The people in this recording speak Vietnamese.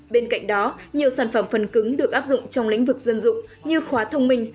bên cạnh đó nhiều sản phẩm phần cứng được áp dụng trong lĩnh vực dân dụng như khóa thông minh